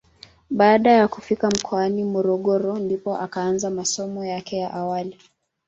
Baada ya kufika mkoani Morogoro ndipo akaanza masomo yake ya awali.